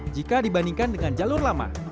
jika dibandingkan dengan jalur lama